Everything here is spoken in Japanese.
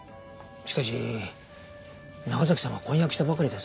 しかし長崎さんは婚約したばかりです。